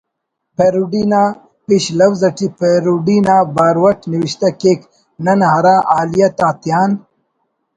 'پیروڈی'' نا پیش لوز اٹی پیروڈی نا بارو اٹ نوشتہ کیک: ''نن ہرا حالیت آتیان